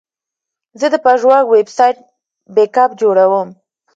زه د پژواک ویب سایټ بیک اپ جوړوم.